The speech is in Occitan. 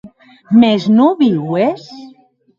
Mès non viues?